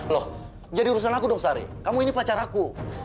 loh jadi urusan aku dong sari kamu ini pacaraku